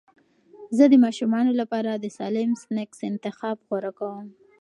زه د ماشومانو لپاره د سالم سنکس انتخاب غوره کوم.